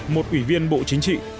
một ủy viên bộ chính trị